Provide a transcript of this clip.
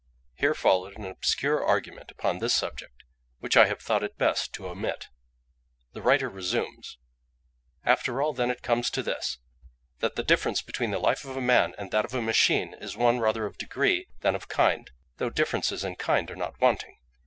Here followed an obscure argument upon this subject, which I have thought it best to omit. The writer resumes:—"After all then it comes to this, that the difference between the life of a man and that of a machine is one rather of degree than of kind, though differences in kind are not wanting.